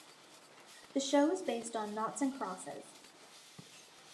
The show is based on noughts and crosses.